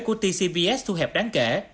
của tcbs thu hẹp đáng kể